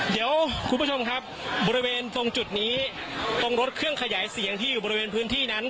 เดี๋ยวคุณผู้ชมครับบริเวณตรงจุดนี้ตรงรถเครื่องขยายเสียงที่อยู่บริเวณพื้นที่นั้น